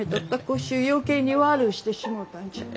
う余計に悪うしてしもうたんじゃ。